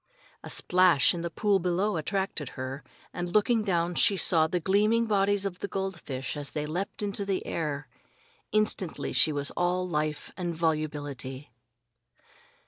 A splash in the pool below attracted her, and looking down she saw the gleaming bodies of the goldfish as they leaped into the air. Instantly she was all life and volubility.